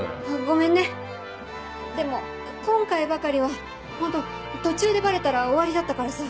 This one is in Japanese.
ごめんねでも今回ばかりはホント途中でバレたら終わりだったからさ。